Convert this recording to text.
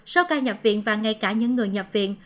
sau ca nhập viện và ngay cả những người nhập viện